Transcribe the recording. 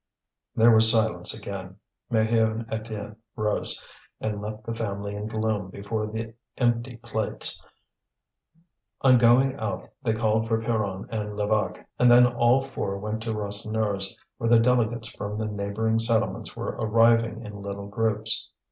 There was silence again; Maheu and Étienne rose, and left the family in gloom before the empty plates. On going out they called for Pierron and Levaque, and then all four went to Rasseneur's, where the delegates from the neighbouring settlements were arriving in little groups.